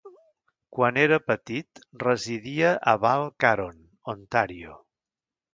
Quan era petit, residia a Val Caron, Ontario.